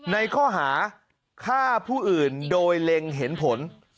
ในข้อหาฆ่าผู้อื่นโดยเล็งเห็นผล